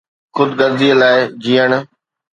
خود غرضيءَ لاءِ جيئڻ.